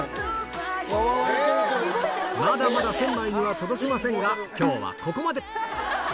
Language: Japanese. まだまだ１０００枚には届きませんが、きょうはここまで。